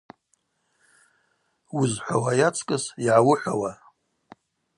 Уызхӏвауа йацкӏыс йгӏауыхӏвауа.